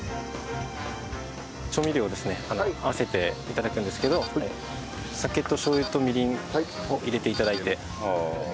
調味料をですね合わせて頂くんですけど酒としょう油とみりんを入れて頂いて。